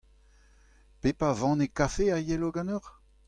Pep a vanne kafe a yelo ganeoc'h ?